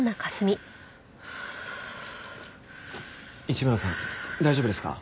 一村さん大丈夫ですか？